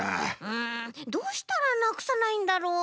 うんどうしたらなくさないんだろう？